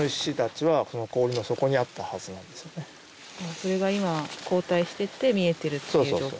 それが今は後退していって見えてるっていう状況？